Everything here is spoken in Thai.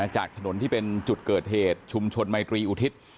จากถนนที่เป็นจุดเกิดเหตุชุมชนไมตรีอุทิศ